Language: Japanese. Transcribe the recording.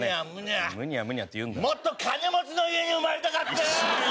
もっと金持ちの家に生まれたかったよー！